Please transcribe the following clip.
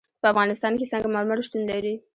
په افغانستان کې سنگ مرمر شتون لري.